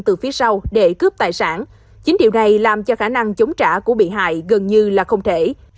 từ phía sau để cướp tài sản chính điều này làm cho khả năng chống trả của bị hại gần như là không thể